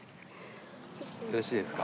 よろしいですか？